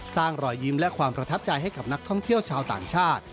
รอยยิ้มและความประทับใจให้กับนักท่องเที่ยวชาวต่างชาติ